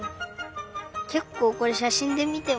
けっこうこれしゃしんでみてもわかりにくい。